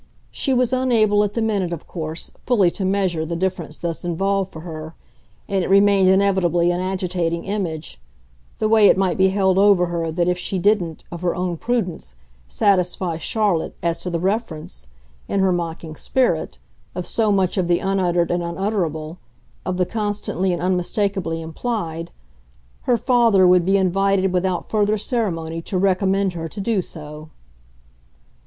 She was unable at the minute, of course, fully to measure the difference thus involved for her, and it remained inevitably an agitating image, the way it might be held over her that if she didn't, of her own prudence, satisfy Charlotte as to the reference, in her mocking spirit, of so much of the unuttered and unutterable, of the constantly and unmistakably implied, her father would be invited without further ceremony to recommend her to do so.